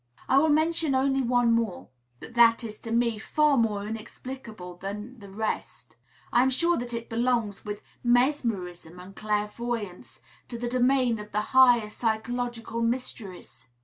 I will mention only one more, but that is to me far more inexplicable than all the rest. I am sure that it belongs, with mesmerism and clairvoyance, to the domain of the higher psychological mysteries.